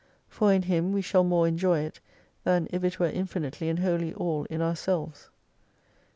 For in Him we shall more enjoy it than if it were infinitely and wholly all in ourselves.